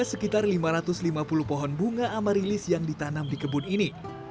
ada sekitar lima ratus lima puluh pohon bunga amarilis yang ditanam di kebun ini